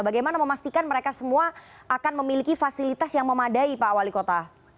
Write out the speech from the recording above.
bagaimana memastikan mereka semua akan memiliki fasilitas yang memadai pak wali kota